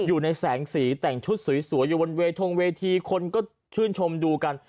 อยู่ในแสงสีแต่งชุดสวยอยู่บนเวทงเวทีคนก็ชื่นชมดูกัน